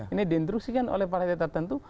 ini diinstruksikan oleh partai tertentu